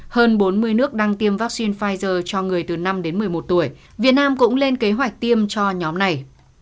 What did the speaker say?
hơn bốn mươi nước đang tiêm vaccine pfizer cho người từ năm đến một mươi một tuổi việt nam cũng lên kế hoạch tiêm cho nhóm này